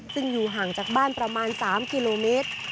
ซึ่งอยู่ห่างจากบ้านประมาณ๓กิโลเมตร